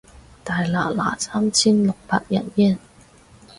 大拿拿三千六百日圓